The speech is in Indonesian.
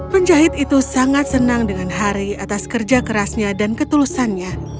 penjahit itu sangat senang dengan harry atas kerja kerasnya dan ketulusannya